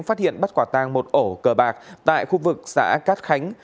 phát hiện bắt quả tang một ổ cờ bạc tại khu vực xã cát khánh